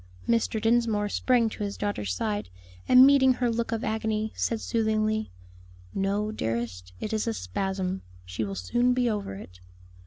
Mr. Dinsmore sprang to his daughter's side, and meeting her look of agony, said soothingly, "No, dearest, it is a spasm, she will soon be over it."